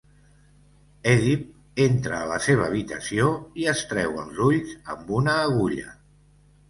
Èdip entra a la seva habitació i es treu els ulls amb una agulla.